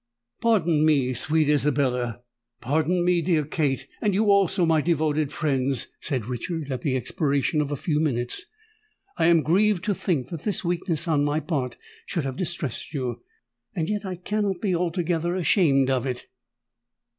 "Pardon me, sweet Isabella—pardon me, dear Kate—and you also, my devoted friends," said Richard, at the expiration of a few minutes: "I am grieved to think that this weakness on my part should have distressed you—and yet I cannot be altogether ashamed of it!"